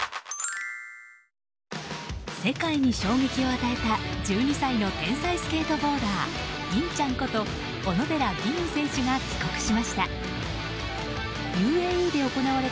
世界に衝撃を与えた１２歳の天才スケートボーダー吟ちゃんこと小野寺吟雲選手が帰国しました。